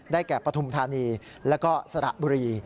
แก่ปฐุมธานีแล้วก็สระบุรี